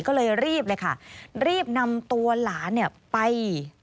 ก็เลยรีบเลยค่ะรีบนำตัวหลานเนี่ยไป